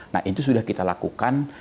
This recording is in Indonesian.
nah itu sudah kita lakukan